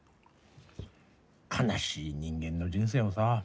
悲しい人間の人生をさ